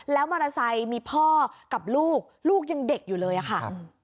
แล้วมอเตอร์ไซค์มีพ่อกับลูกลูกยังเด็กอยู่เลยอะค่ะ